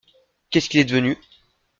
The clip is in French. Qu’est-ce qu’il est devenu ?